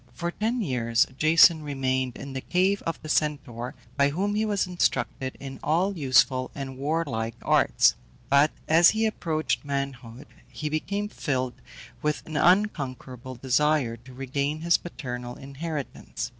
For ten years Jason remained in the cave of the Centaur, by whom he was instructed in all useful and warlike arts. But as he approached manhood he became filled with an unconquerable desire to regain his paternal inheritance.